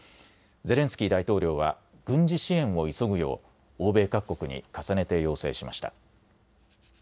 ゼレンスキー大統領は軍事支援を急ぐよう欧米各国に重ねて要請しました。